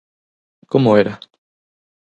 Como era?